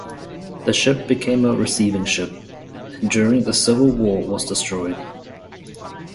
The ship became a receiving ship, and during the Civil War was destroyed.